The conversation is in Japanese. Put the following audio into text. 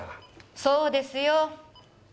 そうですよ。